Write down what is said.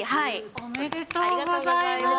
おめでとうございます。